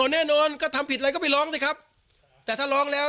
แน่นอนก็ทำผิดอะไรก็ไปร้องสิครับแต่ถ้าร้องแล้ว